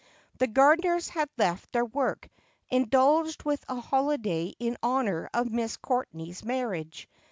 The gardeners had left their work, indulged with a holiday in honour of Miss Courtenay's marriage.